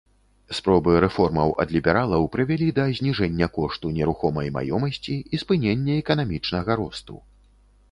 Спробы рэформаў ад лібералаў прывялі да зніжэння кошту нерухомай маёмасці і спынення эканамічнага росту.